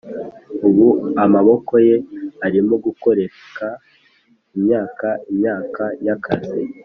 ubu amaboko ye arimo kugoreka imyaka n'imyaka y'akazi,